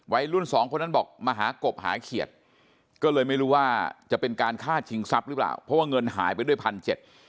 วัยรุ่นสองคนนั้นบอกมาหากบหาเขียดก็เลยไม่รู้ว่าจะเป็นการฆ่าชิงทรัพย์หรือเปล่าเพราะว่าเงินหายไปด้วยพันเจ็ด